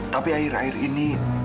tapi akhir akhir ini